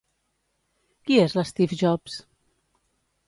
Qui és l'Steve Jobs?